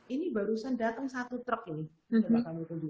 ini barusan datang satu truk ini